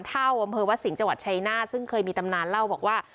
เท่าอำเภอวัดสิงห์จังหวัดชายนาฏซึ่งเคยมีตำนานเล่าบอกว่า